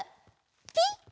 ピッ！